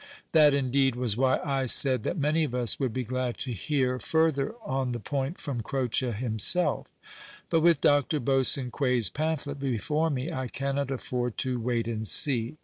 That, indeed, was why I said that many of us would be glad to hear further on 194 A POINT OF CROCE'S the point from Croce himself. But witli Dr. Bosaii quet's pamphlet before me I cannot afford to " wait and see."